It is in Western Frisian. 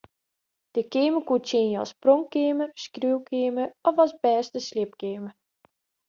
Der keamer koe tsjinje as pronkkeamer, skriuwkeamer of as bêste sliepkeamer.